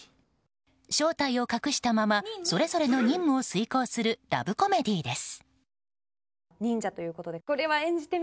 正体を隠したままそれぞれの任務を遂行するラブコメディーです。